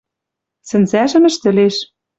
Сӹнзӓжӹм ӹштӹлеш.